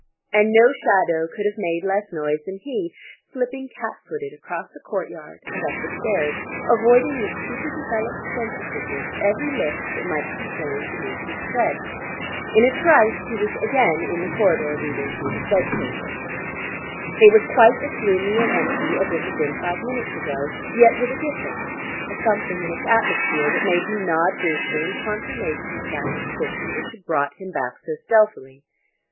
And no shadow could have made less noise than he, slipping cat footed across the courtyard and up the stairs, avoiding with super developed sensitiveness every lift that might complain beneath his tread. In a trice he was again in the corridor leading to his bed chamber. It was quite as gloomy and empty as it had been five minutes ago, yet with a difference, a something in its atmosphere that made him nod briefly in confirmation of that suspicion which had brought him back so stealthily.